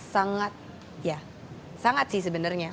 sangat ya sangat sih sebenarnya